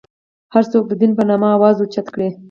هر څوک د دین په نامه اواز اوچت کړي.